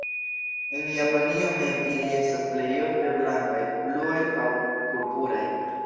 En Japanio mem ili estas plejofte blankaj, bluaj aŭ purpuraj.